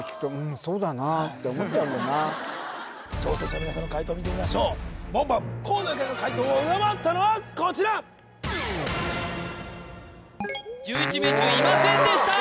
なるほど挑戦者の皆さんの解答を見てみましょう門番河野ゆかりの解答を上回ったのはこちら１１名中いませんでした！